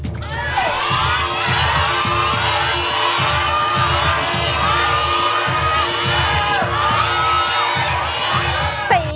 สี่สี่สี่สี